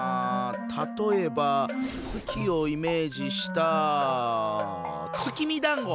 例えば月をイメージした月見だんご！